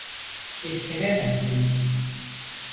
Siz sevemezsiniz…